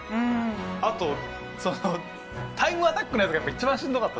あとそのタイムアタックのやつがやっぱ一番しんどかったですね。